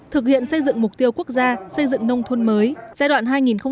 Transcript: thực hiện xây dựng mục tiêu quốc gia xây dựng nông thôn mới giai đoạn hai nghìn hai mươi một hai nghìn hai mươi